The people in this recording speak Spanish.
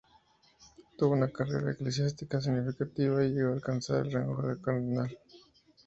Tuvo una carrera eclesiástica significativa y llegó a alcanzar el rango de cardenal.